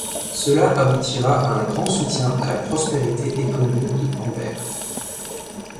Cela aboutira à un grand soutien à la prospérité économique de Bamberg.